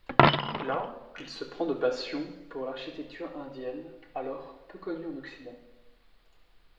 Là, il se prend de passion pour l'architecture indienne, alors peu connue en Occident.